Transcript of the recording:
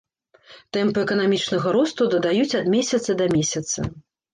Тэмпы эканамічнага росту дадаюць ад месяца да месяца.